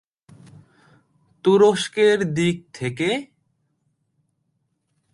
তুরস্কের দিক থেকে?